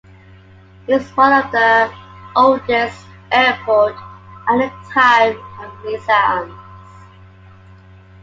Its one of the oldest airport at the time of Nizam's.